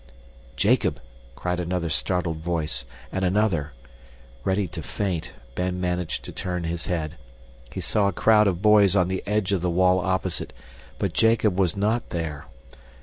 "Jacob!" cried another startled voice and another. Ready to faint, Ben managed to turn his head. He saw a crowd of boys on the edge of the wall opposite, but Jacob was not there!